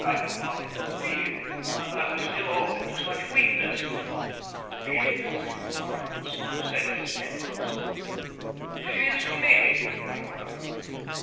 I could not have believed that I was still open to such weakness. "She is in the trance," said Miss Penclosa. "She is sleeping!" I cried.